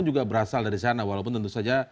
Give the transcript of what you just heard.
juga berasal dari sana walaupun tentu saja